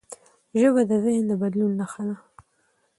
ژبه د ذهن د بدلون نښه ده.